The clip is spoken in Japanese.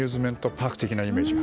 パーク的なイメージが。